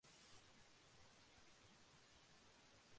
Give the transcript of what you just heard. এই সমস্যার সমাধান আমার কাছে খুব জটিল কখনো মনে হয় নি।